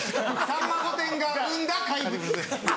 『さんま御殿‼』が生んだ怪物です。